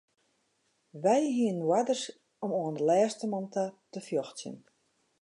Wy hiene oarders om oan de lêste man ta te fjochtsjen.